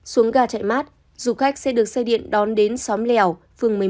xuống gà chạy mát du khách sẽ được xe điện đón đến xóm lèo phường một mươi một